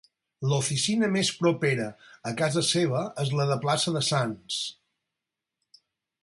La oficina més propera a casa seva és la de plaça de Sants.